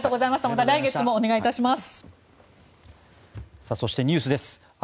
また来月もお願いいたします。